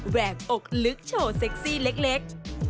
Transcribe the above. แวกอกลึกโชว์เซ็กซี่เล็ก